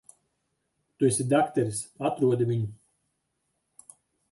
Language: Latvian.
Tu esi dakteris. Atrodi viņu.